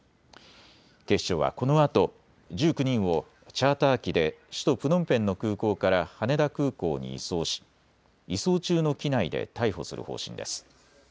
警視庁はこのあと１９人をチャーター機で首都プノンペンの空港から羽田空港に移送し移送中の機内で逮捕する方針です。